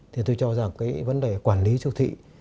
thì tôi cho rằng cái vấn đề quản lý siêu thị